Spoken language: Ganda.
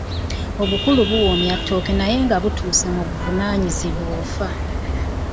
Obukulu buwoomyattooke naye nga gutuuse mu buvunanyizibwa ofa.